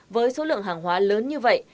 với số lượng hàng hóa lớn như vậy